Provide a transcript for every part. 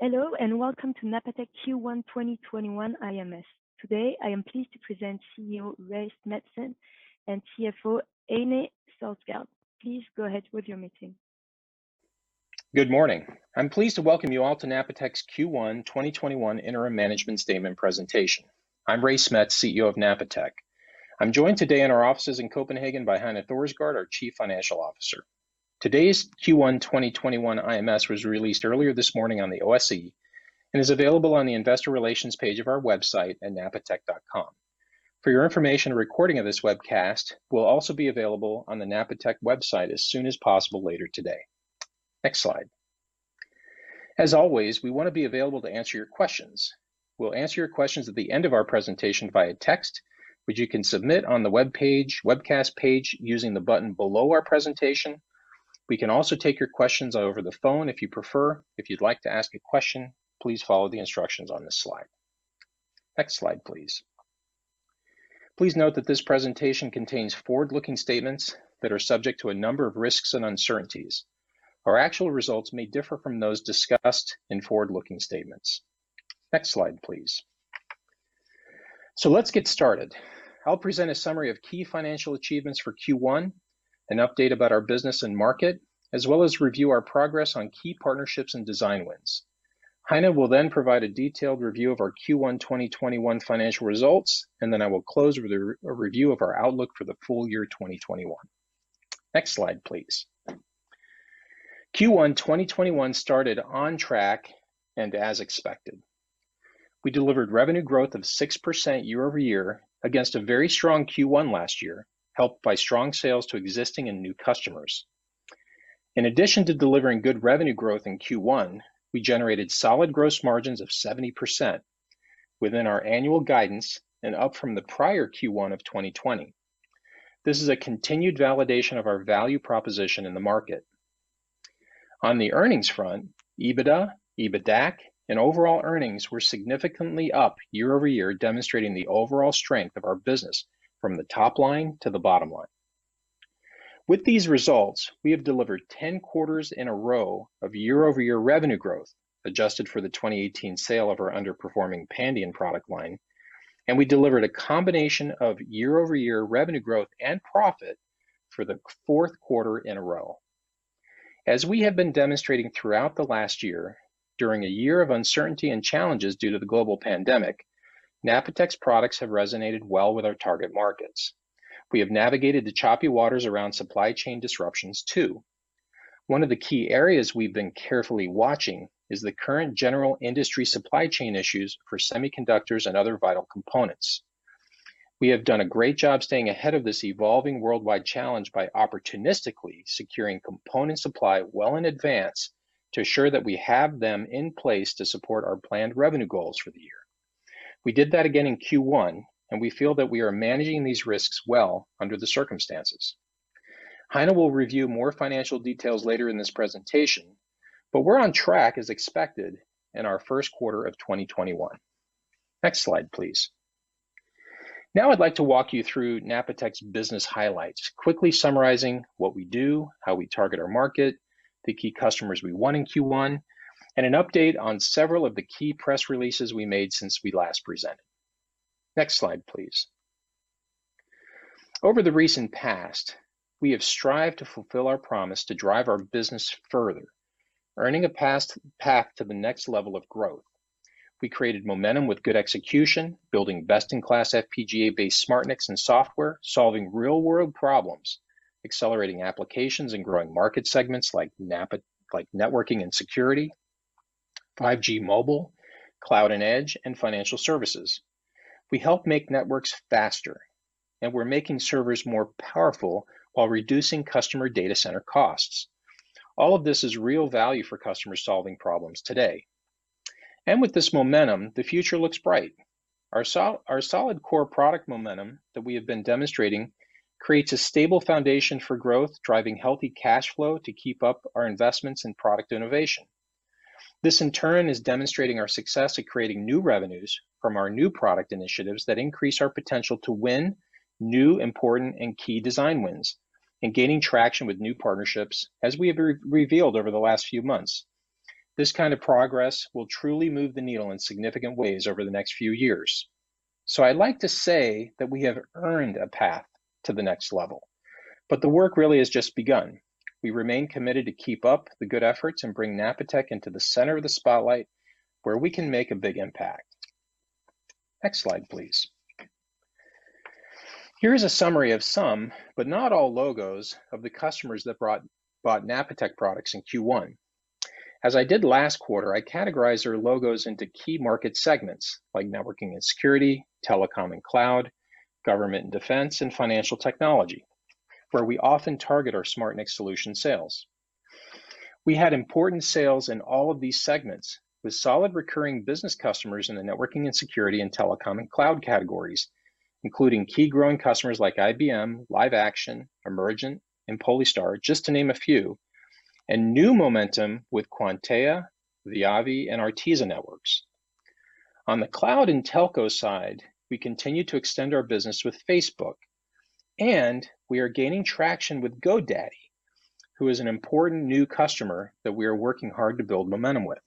Hello, welcome to Napatech Q1 2021 IMS. Today, I am pleased to present CEO Ray Smets and CFO Heine Thorsgaard. Please go ahead with your meeting. Good morning. I am pleased to welcome you all to Napatech’s Q1 2021 interim management statement presentation. I am Ray Smets, CEO of Napatech. I am joined today in our offices in Copenhagen by Heine Thorsgaard, our chief financial officer. Today’s Q1 2021 IMS was released earlier this morning on the OSE and is available on the investor relations page of our website at napatech.com. For your information, a recording of this webcast will also be available on the Napatech website as soon as possible later today. Next slide. As always, we want to be available to answer your questions. We will answer your questions at the end of our presentation via text, which you can submit on the webcast page using the button below our presentation. We can also take your questions over the phone if you prefer. If you would like to ask a question, please follow the instructions on this slide. Next slide, please. Please note that this presentation contains forward-looking statements that are subject to a number of risks and uncertainties. Our actual results may differ from those discussed in forward-looking statements. Next slide, please. Let's get started. I'll present a summary of key financial achievements for Q1, an update about our business and market, as well as review our progress on key partnerships and design wins. Heine will then provide a detailed review of our Q1 2021 financial results, and then I will close with a review of our outlook for the full year 2021. Next slide, please. Q1 2021 started on track and as expected. We delivered revenue growth of 6% year-over-year against a very strong Q1 last year, helped by strong sales to existing and new customers. In addition to delivering good revenue growth in Q1, we generated solid gross margins of 70% within our annual guidance and up from the prior Q1 of 2020. This is a continued validation of our value proposition in the market. On the earnings front, EBITDAC, and overall earnings were significantly up year-over-year, demonstrating the overall strength of our business from the top line to the bottom line. With these results, we have delivered 10 quarters in a row of year-over-year revenue growth, adjusted for the 2018 sale of our underperforming Pandion product line, and we delivered a combination of year-over-year revenue growth and profit for the fourth quarter in a row. As we have been demonstrating throughout the last year, during a year of uncertainty and challenges due to the global pandemic, Napatech's products have resonated well with our target markets. We have navigated the choppy waters around supply chain disruptions, too. One of the key areas we've been carefully watching is the current general industry supply chain issues for semiconductors and other vital components. We have done a great job staying ahead of this evolving worldwide challenge by opportunistically securing component supply well in advance to ensure that we have them in place to support our planned revenue goals for the year. We did that again in Q1, and we feel that we are managing these risks well under the circumstances. Heine will review more financial details later in this presentation, but we're on track as expected in our first quarter of 2021. Next slide, please. Now I'd like to walk you through Napatech's business highlights, quickly summarizing what we do, how we target our market, the key customers we won in Q1, and an update on several of the key press releases we made since we last presented. Next slide, please. Over the recent past, we have strived to fulfill our promise to drive our business further, earning a path to the next level of growth. We created momentum with good execution, building best-in-class FPGA-based SmartNICs and software, solving real-world problems, accelerating applications, and growing market segments like networking and security, 5G mobile, cloud and edge, and financial services. We help make networks faster, and we're making servers more powerful while reducing customer data center costs. All of this is real value for customers solving problems today. With this momentum, the future looks bright. Our solid core product momentum that we have been demonstrating creates a stable foundation for growth, driving healthy cash flow to keep up our investments in product innovation. This, in turn, is demonstrating our success at creating new revenues from our new product initiatives that increase our potential to win new, important, and key design wins, and gaining traction with new partnerships, as we have revealed over the last few months. This kind of progress will truly move the needle in significant ways over the next few years. I'd like to say that we have earned a path to the next level. The work really has just begun. We remain committed to keep up the good efforts and bring Napatech into the center of the spotlight, where we can make a big impact. Next slide, please. Here is a summary of some, but not all logos of the customers that bought Napatech products in Q1. As I did last quarter, I categorized our logos into key market segments like networking and security, telecom and cloud, government and defense, and financial technology, where we often target our SmartNIC solution sales. We had important sales in all of these segments with solid recurring business customers in the networking and security and telecom and cloud categories, including key growing customers like IBM, LiveAction, Emergent, and Polystar, just to name a few, and new momentum with Quanta, Viavi, and Arista Networks. On the cloud and telco side, we continue to extend our business with Facebook, and we are gaining traction with GoDaddy, who is an important new customer that we are working hard to build momentum with.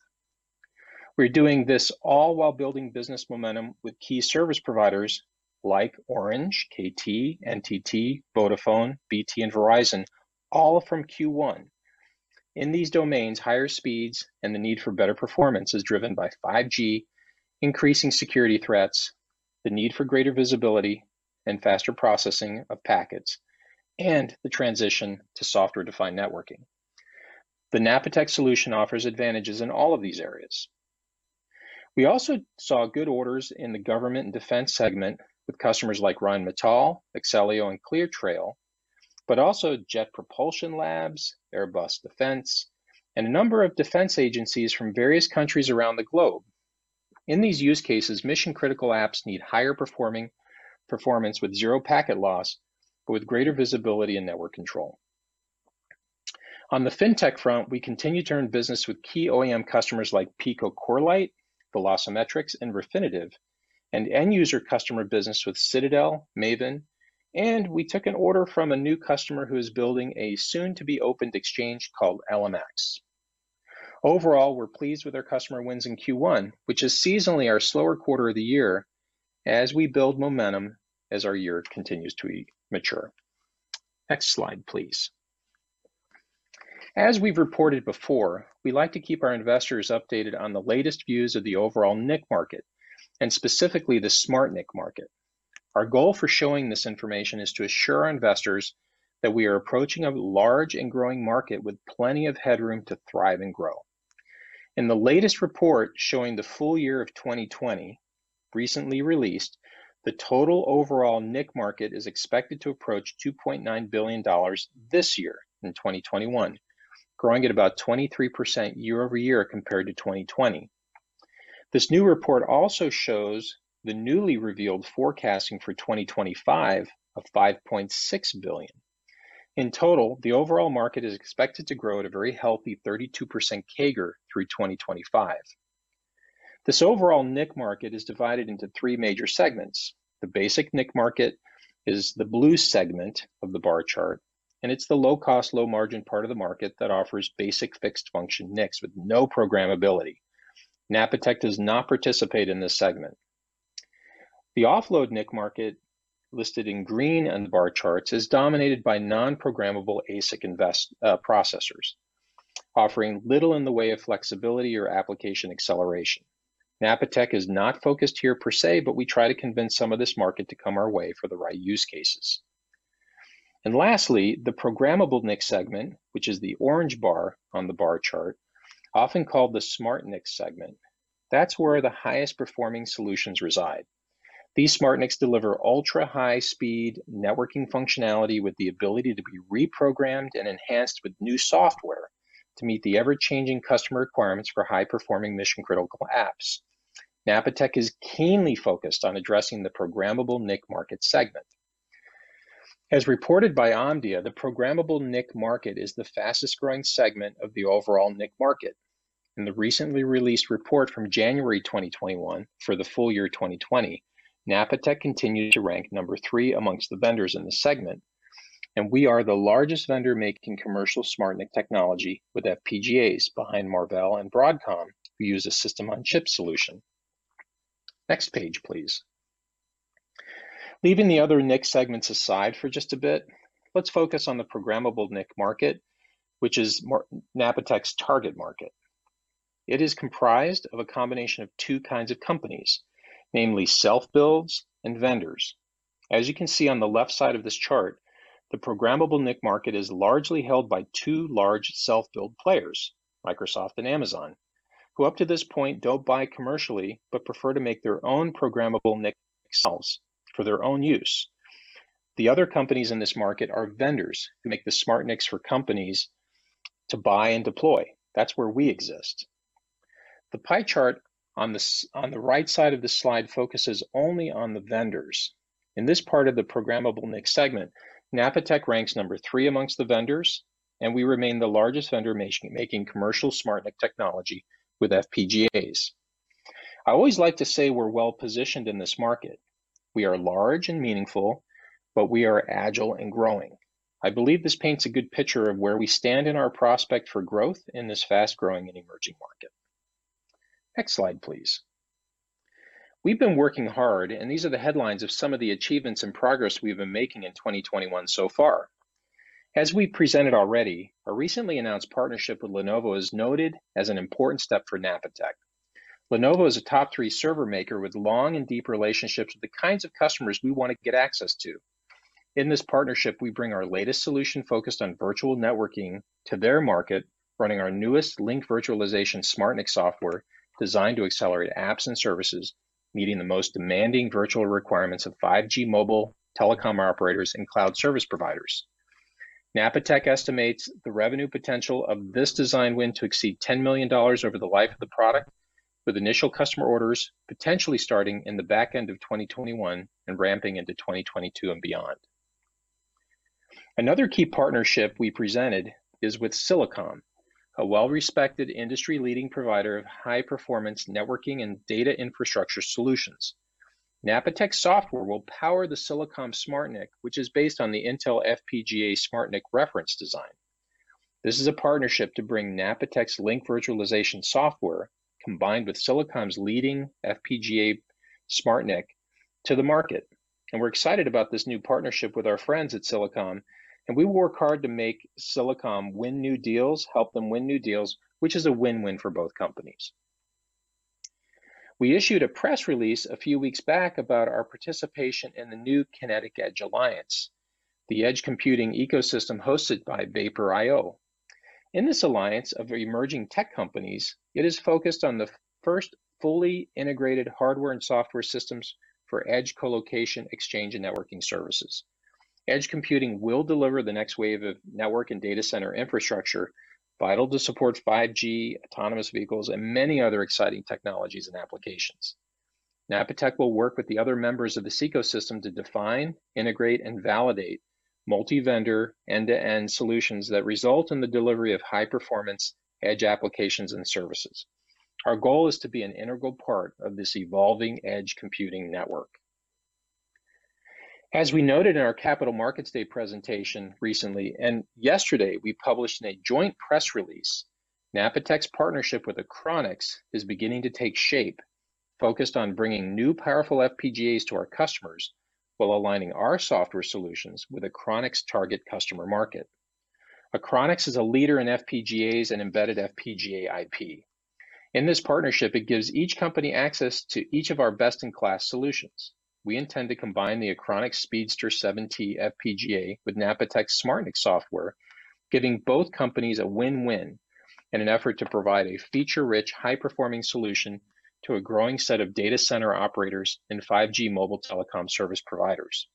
We're doing this all while building business momentum with key service providers like Orange, KT, NTT, Vodafone, BT, and Verizon, all from Q1. In these domains, higher speeds and the need for better performance is driven by 5G increasing security threats, the need for greater visibility and faster processing of packets, and the transition to software-defined networking. The Napatech solution offers advantages in all of these areas. We also saw good orders in the government and defense segment with customers like Rheinmetall, Accellion, and ClearTrail, but also Jet Propulsion Laboratory, Airbus Defence and Space, and a number of defense agencies from various countries around the globe. In these use cases, mission-critical apps need higher performance with zero packet loss but with greater visibility and network control. On the fintech front, we continue to earn business with key OEM customers like Pico, Corelight, Velocimetrics, and Refinitiv and end-user customer business with Citadel, Maven, and we took an order from a new customer who is building a soon-to-be-opened exchange called LMAX. Overall, we're pleased with our customer wins in Q1, which is seasonally our slower quarter of the year, as we build momentum as our year continues to mature. Next slide, please. As we've reported before, we like to keep our investors updated on the latest views of the overall NIC market, and specifically the SmartNIC market. Our goal for showing this information is to assure investors that we are approaching a large and growing market with plenty of headroom to thrive and grow. In the latest report showing the full year of 2020, recently released, the total overall NIC market is expected to approach DKK 2.9 billion this year in 2021, growing at about 23% year-over-year compared to 2020. This new report also shows the newly revealed forecasting for 2025 of 5.6 billion. In total, the overall market is expected to grow at a very healthy 32% CAGR through 2025. This overall NIC market is divided into three major segments. The basic NIC market is the blue segment of the bar chart, and it's the low-cost, low-margin part of the market that offers basic fixed-function NICs with no programmability. Napatech does not participate in this segment. The offload NIC market, listed in green on the bar charts, is dominated by non-programmable ASIC inline processors offering little in the way of flexibility or application acceleration. Napatech is not focused here per se, but we try to convince some of this market to come our way for the right use cases. Lastly, the programmable NIC segment, which is the orange bar on the bar chart, often called the SmartNIC segment, that's where the highest performing solutions reside. These SmartNICs deliver ultra-high-speed networking functionality with the ability to be reprogrammed and enhanced with new software to meet the ever-changing customer requirements for high-performing mission-critical apps. Napatech is keenly focused on addressing the programmable NIC market segment. As reported by Omdia, the programmable NIC market is the fastest-growing segment of the overall NIC market. In the recently released report from January 2021 for the full year 2020, Napatech continued to rank number three amongst the vendors in the segment, and we are the largest vendor making commercial SmartNIC technology with FPGAs behind Marvell and Broadcom, who use a system-on-chip solution. Next page, please. Leaving the other NIC segments aside for just a bit, let's focus on the programmable NIC market, which is Napatech's target market. It is comprised of a combination of two kinds of companies, namely self-builds and vendors. As you can see on the left side of this chart, the programmable NIC market is largely held by two large self-build players, Microsoft and Amazon, who up to this point don't buy commercially but prefer to make their own programmable NIC cells for their own use. The other companies in this market are vendors who make the SmartNICs for companies to buy and deploy. That's where we exist. The pie chart on the right side of this slide focuses only on the vendors. In this part of the programmable NIC segment, Napatech ranks number three amongst the vendors, and we remain the largest vendor making commercial SmartNIC technology with FPGAs. I always like to say we're well-positioned in this market. We are large and meaningful, but we are agile and growing. I believe this paints a good picture of where we stand in our prospect for growth in this fast-growing and emerging market. Next slide, please. We've been working hard, and these are the headlines of some of the achievements and progress we've been making in 2021 so far. As we presented already, a recently announced partnership with Lenovo is noted as an important step for Napatech. Lenovo is a top three server maker with long and deep relationships with the kinds of customers we want to get access to. In this partnership, we bring our latest solution focused on virtual networking to their market, running our newest Link Virtualization SmartNIC software designed to accelerate apps and services, meeting the most demanding virtual requirements of 5G mobile telecom operators and cloud service providers. Napatech estimates the revenue potential of this design win to exceed $10 million over the life of the product, with initial customer orders potentially starting in the back end of 2021 and ramping into 2022 and beyond. Another key partnership we presented is with Silicom, a well-respected industry-leading provider of high-performance networking and data infrastructure solutions. Napatech software will power the Silicom SmartNIC, which is based on the Intel FPGA SmartNIC reference design. This is a partnership to bring Napatech's Link Virtualization software combined with Silicom's leading FPGA SmartNIC to the market, and we're excited about this new partnership with our friends at Silicom, and we work hard to make Silicom win new deals, help them win new deals, which is a win-win for both companies. We issued a press release a few weeks back about our participation in the new Kinetic Edge Alliance, the edge computing ecosystem hosted by Vapor IO. In this alliance of emerging tech companies, it is focused on the first fully integrated hardware and software systems for edge co-location exchange and networking services. Edge computing will deliver the next wave of network and data center infrastructure, vital to support 5G, autonomous vehicles, and many other exciting technologies and applications. Napatech will work with the other members of this ecosystem to define, integrate, and validate multi-vendor end-to-end solutions that result in the delivery of high-performance edge applications and services. Our goal is to be an integral part of this evolving edge computing network. As we noted in our Capital Markets Day presentation recently, and yesterday we published in a joint press release, Napatech's partnership with Achronix is beginning to take shape, focused on bringing new powerful FPGAs to our customers while aligning our software solutions with Achronix's target customer market. Achronix is a leader in FPGAs and embedded FPGA IP. In this partnership, it gives each company access to each of our best-in-class solutions. We intend to combine the Achronix Speedster7t FPGA with Napatech SmartNIC software, giving both companies a win-win in an effort to provide a feature-rich, high-performing solution to a growing set of data center operators and 5G mobile telecom service providers.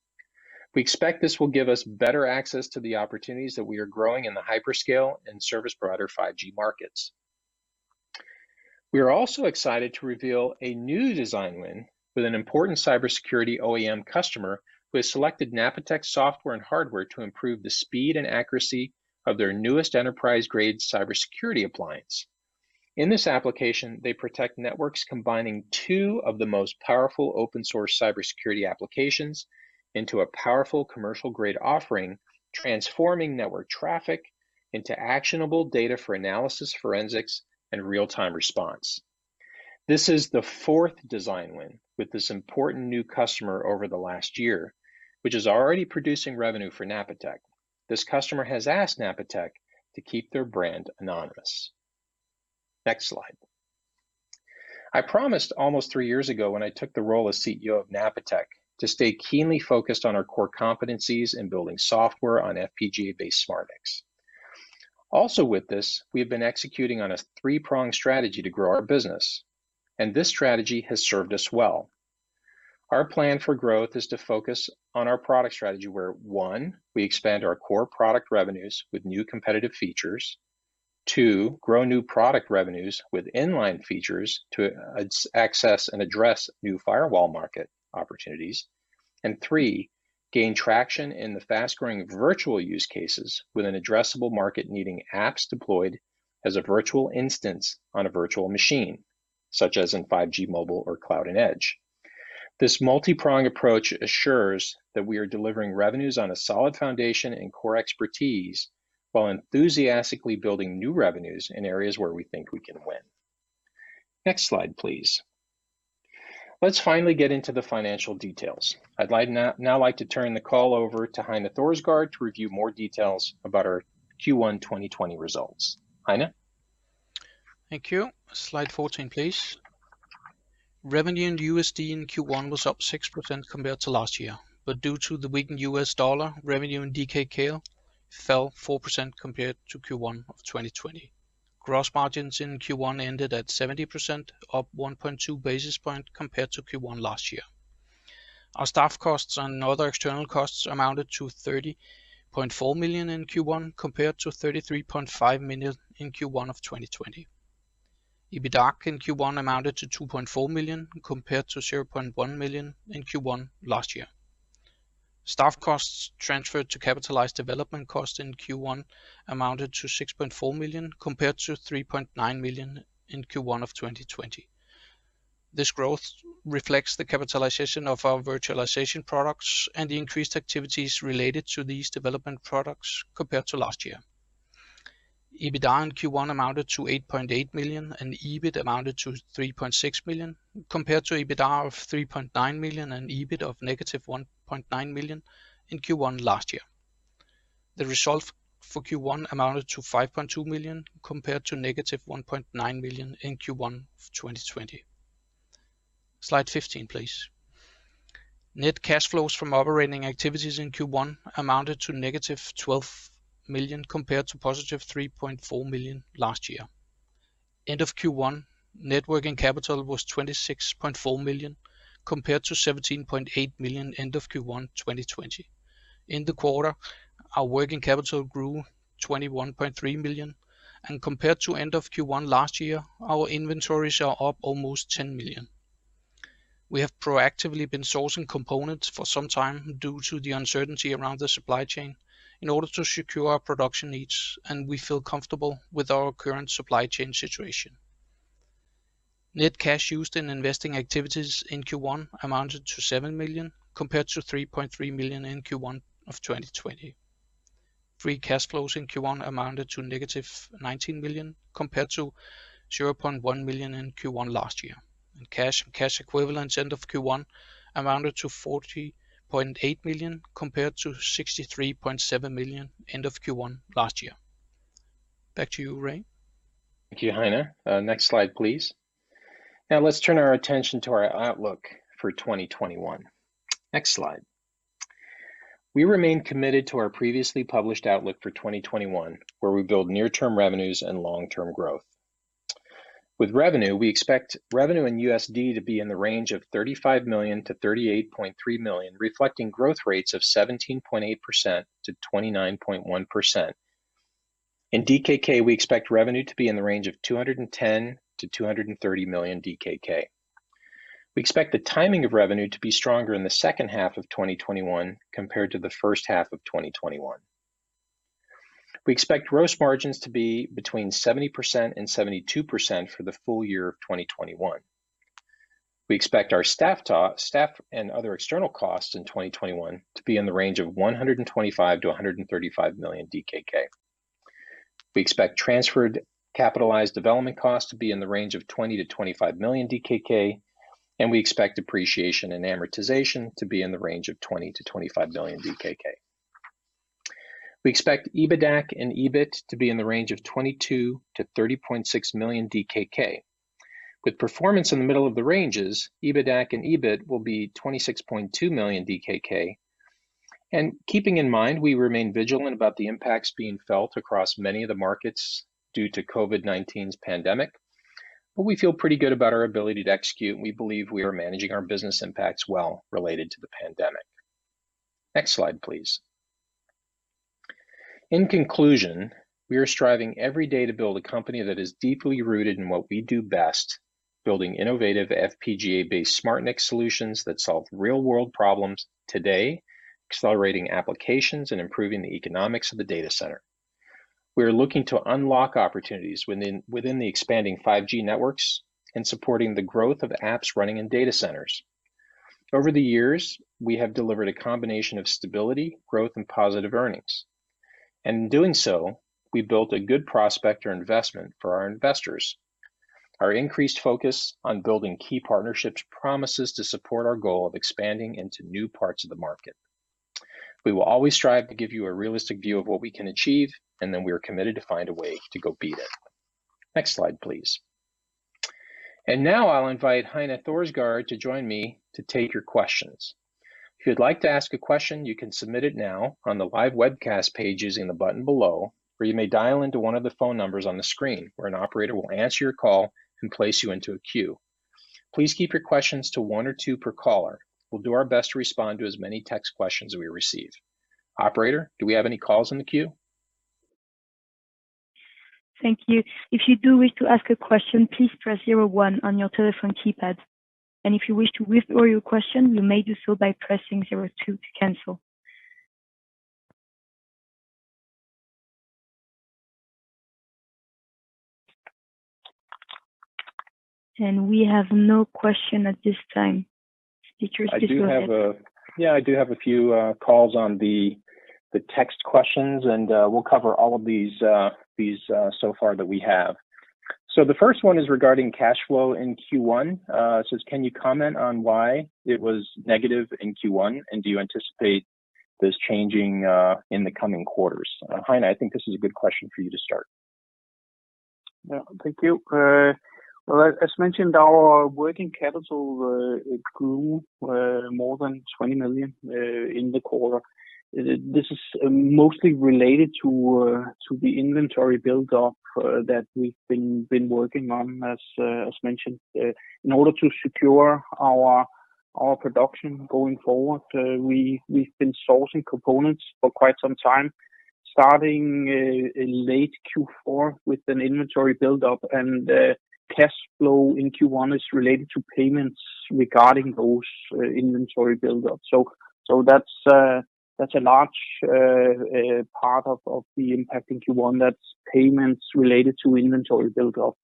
We expect this will give us better access to the opportunities that we are growing in the hyperscale and service provider 5G markets. We are also excited to reveal a new design win with an important cybersecurity OEM customer who has selected Napatech software and hardware to improve the speed and accuracy of their newest enterprise-grade cybersecurity appliance. In this application, they protect networks combining two of the most powerful open-source cybersecurity applications into a powerful commercial-grade offering, transforming network traffic into actionable data for analysis, forensics, and real-time response. This is the fourth design win with this important new customer over the last year, which is already producing revenue for Napatech. This customer has asked Napatech to keep their brand anonymous. Next slide. I promised almost three years ago when I took the role as CEO of Napatech to stay keenly focused on our core competencies in building software on FPGA-based SmartNICs. Also with this, we have been executing on a three-pronged strategy to grow our business, and this strategy has served us well. Our plan for growth is to focus on our product strategy, where, one, we expand our core product revenues with new competitive features; Two, grow new product revenues with inline features to access and address new firewall market opportunities. Three; gain traction in the fast-growing virtual use cases with an addressable market needing apps deployed as a virtual instance on a virtual machine, such as in 5G mobile or cloud and edge. This multi-prong approach assures that we are delivering revenues on a solid foundation and core expertise while enthusiastically building new revenues in areas where we think we can win. Next slide, please. Let's finally get into the financial details. I'd now like to turn the call over to Heine Thorsgaard to review more details about our Q1 2020 results. Heine? Thank you. Slide 14, please. Revenue in USD in Q1 was up 6% compared to last year, but due to the weakened U.S. dollar, revenue in DKK fell 4% compared to Q1 of 2020. Gross margins in Q1 ended at 70%, up 1.2 basis points compared to Q1 last year. Our staff costs and other external costs amounted to 30.4 million in Q1, compared to 33.5 million in Q1 of 2020. EBITDA in Q1 amounted to 2.4 million, compared to 0.1 million in Q1 last year. Staff costs transferred to capitalized development costs in Q1 amounted to 6.4 million, compared to 3.9 million in Q1 of 2020. This growth reflects the capitalization of our virtualization products and the increased activities related to these development products compared to last year. EBITDA in Q1 amounted to 8.8 million, and EBIT amounted to 3.6 million, compared to EBITDA of 3.9 million and EBIT of negative 1.9 million in Q1 last year. The result for Q1 amounted to 5.2 million, compared to negative 1.9 million in Q1 of 2020. Slide 15, please. Net cash flows from operating activities in Q1 amounted to negative 12 million, compared to positive 3.4 million last year. End of Q1, net working capital was 26.4 million, compared to 17.8 million end of Q1 2020. In the quarter, our working capital grew 21.3 million, and compared to end of Q1 last year, our inventories are up almost 10 million. We have proactively been sourcing components for some time due to the uncertainty around the supply chain in order to secure our production needs, and we feel comfortable with our current supply chain situation. Net cash used in investing activities in Q1 amounted to 7 million, compared to 3.3 million in Q1 of 2020. Free cash flows in Q1 amounted to negative 19 million, compared to 0.1 million in Q1 last year. Cash and cash equivalents end of Q1 amounted to 40.8 million, compared to 63.7 million end of Q1 last year. Back to you, Ray. Thank you, Heine. Next slide, please. Let's turn our attention to our outlook for 2021. Next slide. We remain committed to our previously published outlook for 2021, where we build near-term revenues and long-term growth. We expect revenue in USD to be in the range of $35 million-$38.3 million, reflecting growth rates of 17.8%-29.1%. In DKK, we expect revenue to be in the range of 210 million to 230 million DKK. We expect the timing of revenue to be stronger in the second half of 2021 compared to the first half of 2021. We expect gross margins to be 70%-72% for the full year of 2021. We expect our staff and other external costs in 2021 to be in the range of 125 million to 135 million DKK. We expect transferred capitalized development costs to be in the range of 20 million-25 million DKK, and we expect depreciation and amortization to be in the range of 20 million-25 million DKK. We expect EBITDAC and EBIT to be in the range of 22 million-30.6 million DKK. With performance in the middle of the ranges, EBITDAC and EBIT will be 26.2 million DKK. Keeping in mind, we remain vigilant about the impacts being felt across many of the markets due to COVID-19 pandemic. We feel pretty good about our ability to execute, and we believe we are managing our business impacts well related to the pandemic. Next slide, please. In conclusion, we are striving every day to build a company that is deeply rooted in what we do best, building innovative FPGA-based SmartNIC solutions that solve real-world problems today, accelerating applications, and improving the economics of the data center. We are looking to unlock opportunities within the expanding 5G networks and supporting the growth of apps running in data centers. Over the years, we have delivered a combination of stability, growth, and positive earnings. In doing so, we built a good prospect or investment for our investors. Our increased focus on building key partnerships promises to support our goal of expanding into new parts of the market. We will always strive to give you a realistic view of what we can achieve, then we are committed to find a way to go beat it. Next slide, please. Now I'll invite Heine Thorsgaard to join me to take your questions. If you'd like to ask a question, you can submit it now on the live webcast pages in the button below, or you may dial into one of the phone numbers on the screen, where an operator will answer your call and place you into a queue. Please keep your questions to one or two per caller. We'll do our best to respond to as many text questions as we receive. Operator, do we have any calls in the queue? Thank you. If you do wish to ask a question, please press zero one on your telephone keypad. If you wish to withdraw your question, you may do so by pressing zero two to cancel. We have no question at this time. Smets, proceed ahead. Yeah, I do have a few calls on the text questions, and we'll cover all of these so far that we have. The first one is regarding cash flow in Q1. It says, "Can you comment on why it was negative in Q1, and do you anticipate this changing in the coming quarters?" Heine, I think this is a good question for you to start. Yeah. Thank you. Well, as mentioned, our working capital grew more than 20 million in the quarter. This is mostly related to the inventory buildup that we've been working on, as mentioned. In order to secure our production going forward, we've been sourcing components for quite some time, starting in late Q4 with an inventory buildup, and cash flow in Q1 is related to payments regarding those inventory buildups. That's a large part of the impact in Q1. That's payments related to inventory buildup.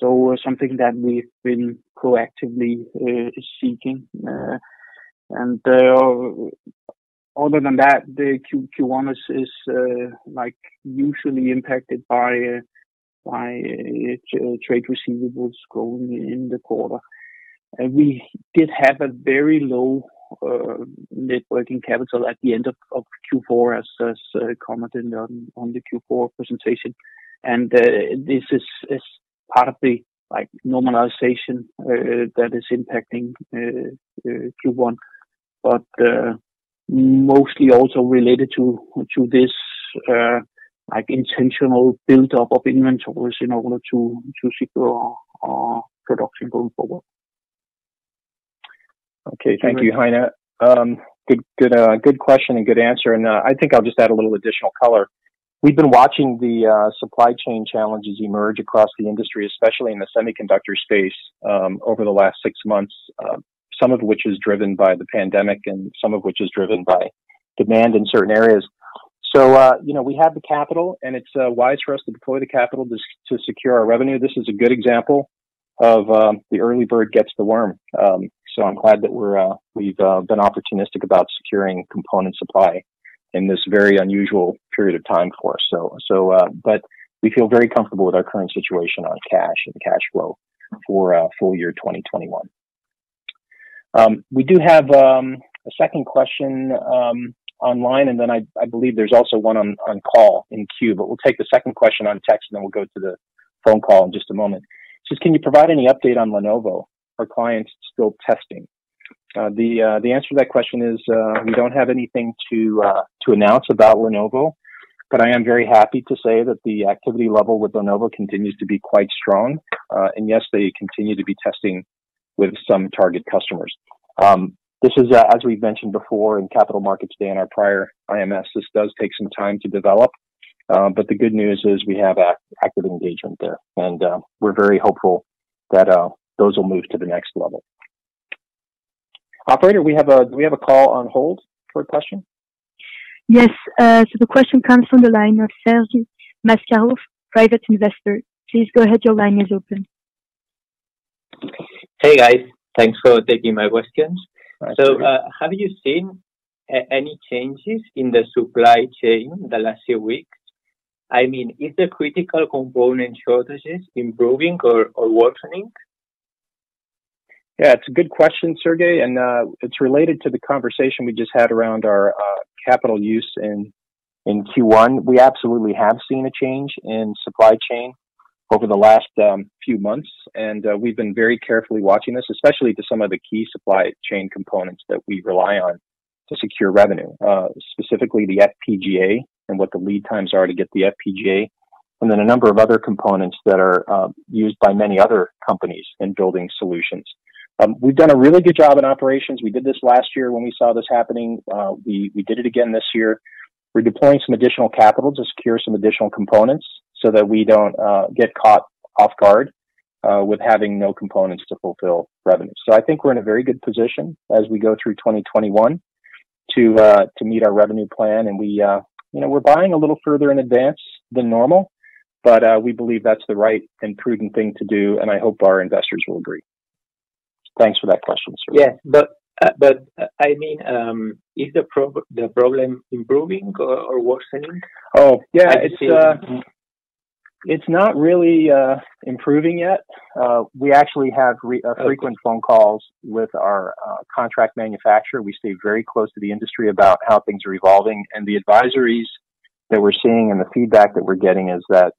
Something that we've been proactively seeking. Other than that, Q1 is usually impacted by trade receivables growing in the quarter. We did have a very low net working capital at the end of Q4, as commented on the Q4 presentation. This is part of the normalization that is impacting Q1, but mostly also related to this intentional buildup of inventories in order to secure our production going forward. Okay. Thank you, Heine. Good question and good answer, and I think I'll just add a little additional color. We've been watching the supply chain challenges emerge across the industry, especially in the semiconductor space, over the last six months, some of which is driven by the pandemic and some of which is driven by demand in certain areas. We have the capital, and it's wise for us to deploy the capital to secure our revenue. This is a good example of "the early bird gets the worm." I'm glad that we've been opportunistic about securing component supply in this very unusual period of time for us. We feel very comfortable with our current situation on cash and cash flow for full year 2021. We do have a second question online. I believe there's also one on call in queue, but we'll take the second question on text. We'll go to the phone call in just a moment. It says, "Can you provide any update on Lenovo? Are clients still testing?" The answer to that question is, we don't have anything to announce about Lenovo. I am very happy to say that the activity level with Lenovo continues to be quite strong. Yes, they continue to be testing with some target customers. This is as we've mentioned before in Capital Markets Day and our prior IMS, this does take some time to develop. The good news is we have active engagement there. We're very hopeful that those will move to the next level. Operator, we have a call on hold for a question? Yes. The question comes from the line of Sergey Mascaro, private investor. Please go ahead. Your line is open. Hey, guys. Thanks for taking my questions. Hi, Sergey. Have you seen any changes in the supply chain the last few weeks? I mean, is the critical component shortages improving or worsening? Yeah, it's a good question, Sergey, and it's related to the conversation we just had around our capital use in Q1. We absolutely have seen a change in supply chain over the last few months, and we've been very carefully watching this, especially to some of the key supply chain components that we rely on to secure revenue, specifically the FPGA and what the lead times are to get the FPGA, and then a number of other components that are used by many other companies in building solutions. We've done a really good job in operations. We did this last year when we saw this happening. We did it again this year. We're deploying some additional capital to secure some additional components so that we don't get caught off guard with having no components to fulfill revenue. I think we're in a very good position as we go through 2021 to meet our revenue plan, and we're buying a little further in advance than normal, but we believe that's the right and prudent thing to do, and I hope our investors will agree. Thanks for that question, Sergey. Yeah. I mean, is the problem improving or worsening? Oh, yeah. It's not really improving yet. We actually have frequent phone calls with our contract manufacturer. We stay very close to the industry about how things are evolving. The advisories that we're seeing and the feedback that we're getting is that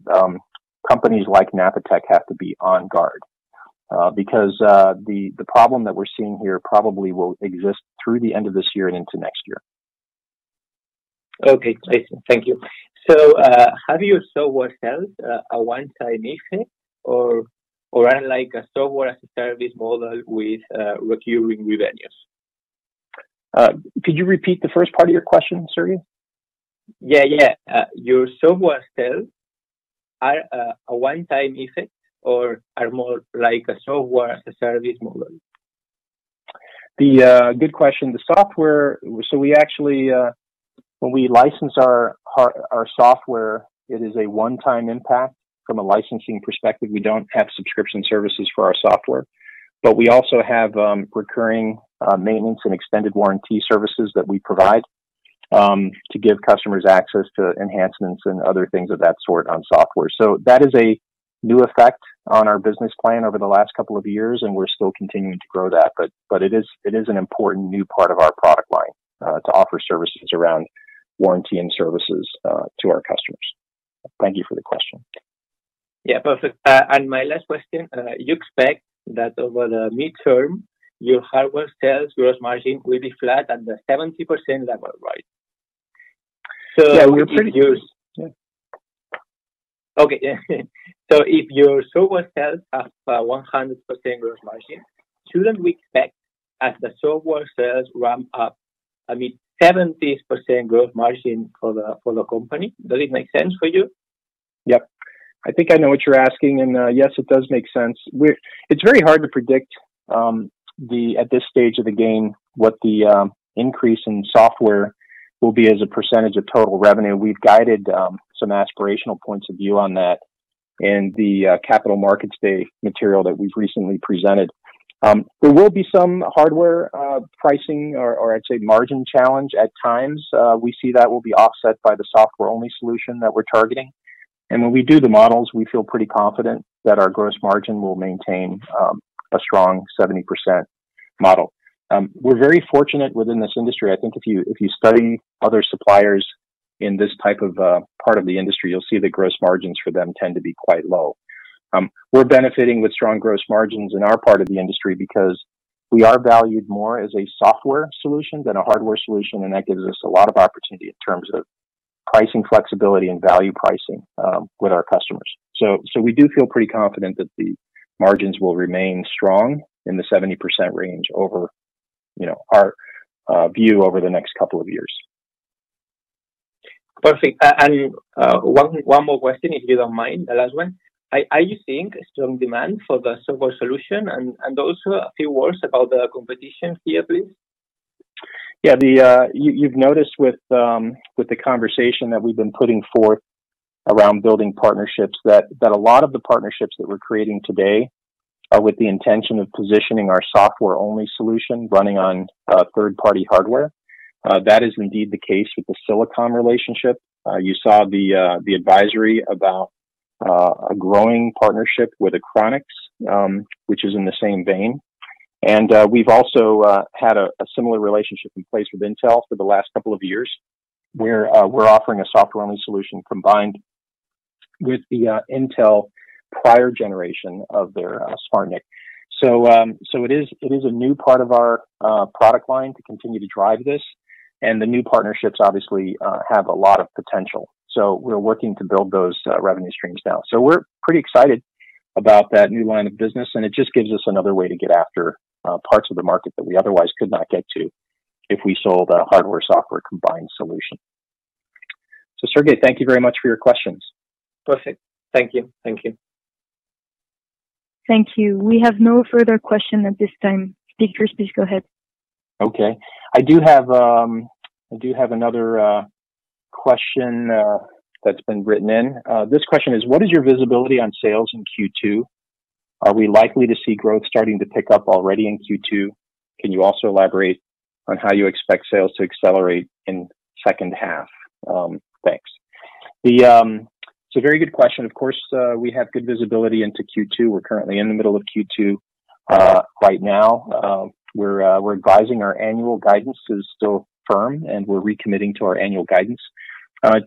companies like Napatech have to be on guard. The problem that we're seeing here probably will exist through the end of this year and into next year. Okay, Ray. Thank you. Have your software sales a one-time effect, or unlike a software as a service model with recurring revenues? Could you repeat the first part of your question, Sergey? Yeah. Your software sales are a one-time effect, or are more like a software as a service model? Good question. When we license our software, it is a one-time impact from a licensing perspective. We don't have subscription services for our software. We also have recurring maintenance and extended warranty services that we provide to give customers access to enhancements and other things of that sort on software. That is a new effect on our business plan over the last couple of years, and we're still continuing to grow that, but it is an important new part of our product line to offer services around warranty and services to our customers. Thank you for the question. Yeah, perfect. My last question: you expect that over the midterm, your hardware sales gross margin will be flat at the 70% level, right? Yes, we are. So if your- Yeah. Okay. If your software sales are 100% gross margin, shouldn't we expect as the software sales ramp up, I mean, 70% gross margin for the company? Does it make sense for you? Yes. I think I know what you're asking, and yes, it does make sense. It's very hard to predict at this stage of the game what the increase in software will be as a percentage of total revenue. We've guided some aspirational points of view on that in the Capital Markets Day material that we've recently presented. There will be some hardware pricing or I'd say, margin challenge at times. We see that will be offset by the software-only solution that we're targeting. When we do the models, we feel pretty confident that our gross margin will maintain a strong 70% model. We're very fortunate within this industry. I think if you study other suppliers in this type of part of the industry, you'll see the gross margins for them tend to be quite low. We're benefiting with strong gross margins in our part of the industry because we are valued more as a software solution than a hardware solution, and that gives us a lot of opportunity in terms of pricing flexibility and value pricing with our customers. We do feel pretty confident that the margins will remain strong in the 70% range over our view over the next couple of years. Perfect. One more question, if you don't mind—the last one. Are you seeing a strong demand for the software solution? Also, a few words about the competition here, please. Yes. You've noticed with the conversation that we've been putting forth around building partnerships that a lot of the partnerships that we're creating today are with the intention of positioning our software-only solution running on third-party hardware. That is indeed the case with the Silicom relationship. You saw the advisory about a growing partnership with Achronix, which is in the same vein. We've also had a similar relationship in place with Intel for the last couple of years, where we're offering a software-only solution combined with the Intel prior generation of their SmartNIC. It is a new part of our product line to continue to drive this, and the new partnerships obviously have a lot of potential. We're working to build those revenue streams now. We're pretty excited about that new line of business, and it just gives us another way to get after parts of the market that we otherwise could not get to if we sold a hardware-software combined solution. Sergey, thank you very much for your questions. Perfect. Thank you. Thank you. We have no further questions at this time. Speakers, please go ahead. Okay. I do have another question that's been written in. This question is, "What is your visibility on sales in Q2?" Are we likely to see growth starting to pick up already in Q2? Can you also elaborate on how you expect sales to accelerate in second half? Thanks. It's a very good question. Of course, we have good visibility into Q2. We're currently in the middle of Q2 right now. We're advising our annual guidance is still firm, and we're recommitting to our annual guidance.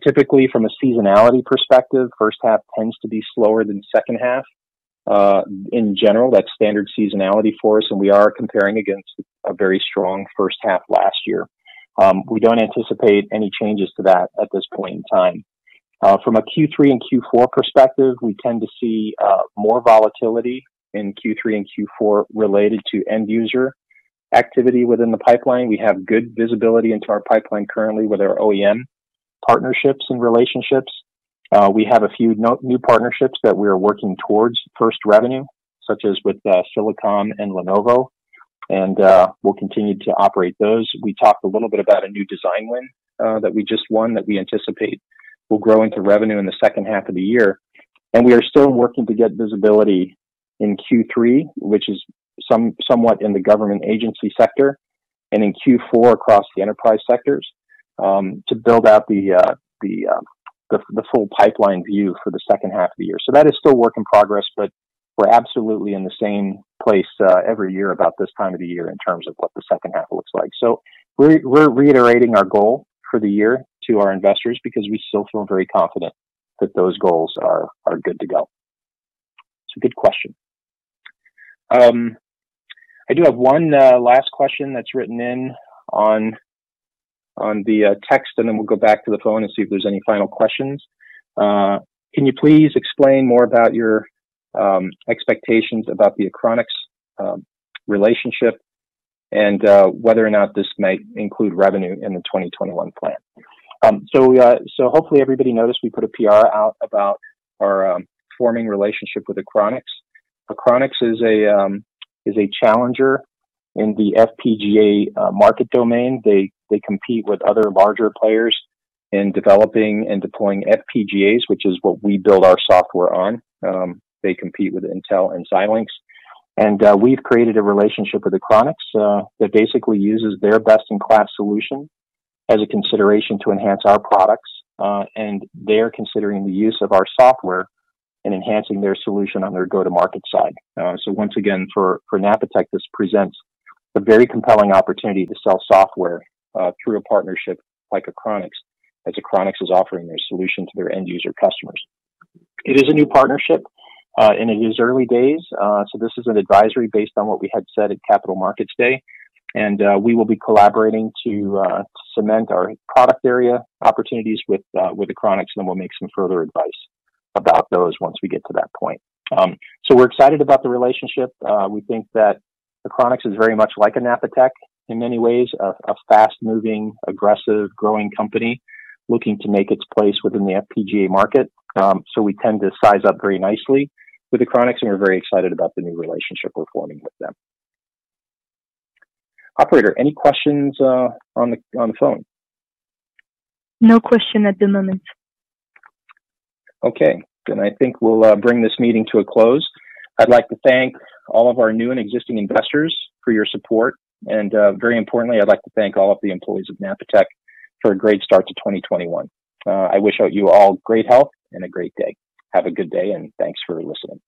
Typically, from a seasonality perspective, first half tends to be slower than the second half. In general, that's standard seasonality for us, and we are comparing against a very strong first half last year. We don't anticipate any changes to that at this point in time. From a Q3 and Q4 perspective, we tend to see more volatility in Q3 and Q4 related to end user activity within the pipeline. We have good visibility into our pipeline currently with our OEM partnerships and relationships. We have a few new partnerships that we are working towards first revenue, such as with Silicom and Lenovo, and we'll continue to operate those. We talked a little bit about a new design win that we just won, that we anticipate will grow into revenue in the second half of the year. We are still working to get visibility in Q3, which is somewhat in the government agency sector, and in Q4 across the enterprise sectors to build out the full pipeline view for the second half of the year. That is still work in progress, but we're absolutely in the same place every year about this time of the year in terms of what the second half looks like. We're reiterating our goal for the year to our investors because we still feel very confident that those goals are good to go. It's a good question. I do have one last question that's written in on the text, and then we'll go back to the phone and see if there's any final questions. Can you please explain more about your expectations about the Achronix relationship and whether or not this might include revenue in the 2021 plan? Hopefully everybody noticed we put a PR out about our forming relationship with Achronix. Achronix is a challenger in the FPGA market domain. They compete with other larger players in developing and deploying FPGAs, which is what we build our software on. They compete with Intel and Xilinx. We've created a relationship with Achronix that basically uses their best-in-class solution as a consideration to enhance our products, and they're considering the use of our software in enhancing their solution on their go-to-market side. Once again, for Napatech, this presents a very compelling opportunity to sell software through a partnership like Achronix, as Achronix is offering their solution to their end-user customers. It is a new partnership, and it is early days, so this is an advisory based on what we had said at Capital Markets Day. We will be collaborating to cement our product area opportunities with Achronix, and then we'll make some further advice about those once we get to that point. We're excited about the relationship. We think that Achronix is very much like a Napatech in many ways, a fast-moving, aggressive, growing company looking to make its place within the FPGA market. We tend to size up very nicely with Achronix, and we're very excited about the new relationship we're forming with them. Operator, any questions on the phone? No question at the moment. Okay. I think we'll bring this meeting to a close. I'd like to thank all of our new and existing investors for your support, and very importantly, I'd like to thank all of the employees of Napatech for a great start to 2021. I wish you all great health and a great day. Have a good day, and thanks for listening.